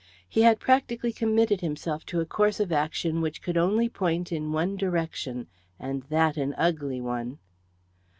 He had practically committed himself to a course of action which could only point in one direction, and that an ugly one.